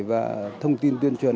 và thông tin tuyên truyền